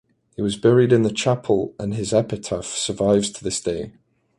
He was buried in the chapel and his epitaph survives to this day.